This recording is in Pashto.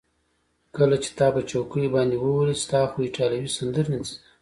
کله چې تا په چوکیو باندې وولي، ستا خو ایټالوي سندرې نه دي زده.